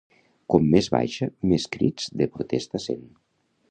Com més baixa més crits de protesta sent.